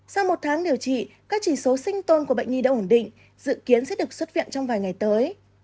sau một tháng điều trị các chỉ số sinh tồn của bệnh nhi đã ổn định dự kiến sẽ được xuất viện trong vài ngày tới